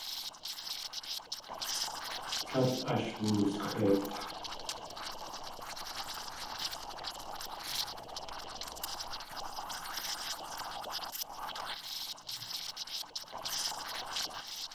Tlél ash wusx̲eik̲.